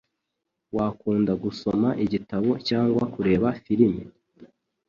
Wakunda gusoma igitabo cyangwa kureba firime?